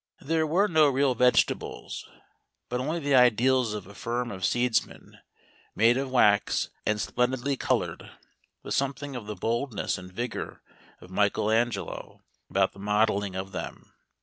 There were no real vegetables, but only the ideals of a firm of seedsmen, made of wax and splendidly coloured, with something of the boldness and vigour of Michael Angelo about the modelling of them.